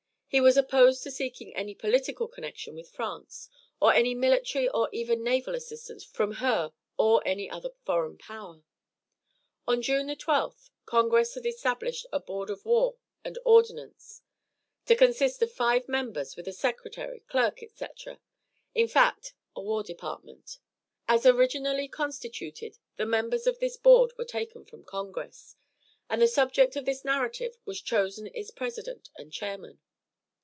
He was opposed to seeking any political connection with France, or any military or even naval assistance from her or any foreign power. On June 12th Congress had established a board of war and ordinance, to consist of five members, with a secretary, clerk, etc., in fact, a war department. As originally constituted, the members of this board were taken from Congress, and the subject of this narrative was chosen its president or chairman.